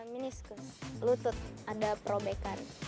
miniskus lutut ada probekan